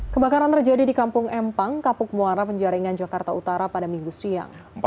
kebakaran terjadi di kampung empang kapuk muara penjaringan jakarta utara pada minggu siang